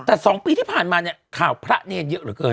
แต่๒ปีที่ผ่านมาเนี่ยข่าวพระเนรเยอะเหลือเกิน